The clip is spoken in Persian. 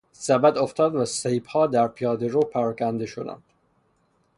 سبد افتاد و سیبها در پیادهرو پراکنده شدند.